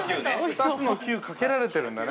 ◆２つのキューかけられているんだね。